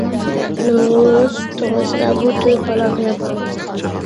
نورۇز توغرىسىدا بۇ تۈرك بالا بىلەن پاراڭلاشتىم.